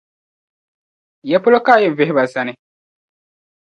Yapolo ka a yɛn vihi ba zani?